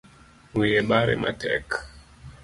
Wiye bare matek